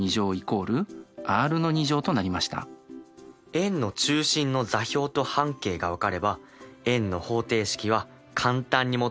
円の中心の座標と半径が分かれば円の方程式は簡単に求めることができました。